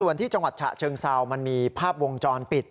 ส่วนที่จังหวัดฉะเชิงเซามันมีภาพวงจรปิด